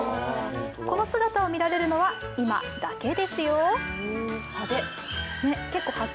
この姿を見られるのは今だけですよ。